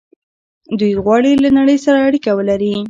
دوی غواړي له نړۍ سره اړیکه ولري.